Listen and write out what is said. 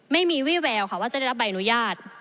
ไม่มีวี่แววค่ะว่าจะได้รับใบอนุญาต